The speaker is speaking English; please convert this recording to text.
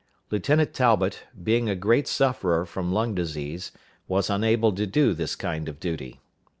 Lieutenant Talbot, being a great sufferer from lung disease, was unable to do this kind of duty.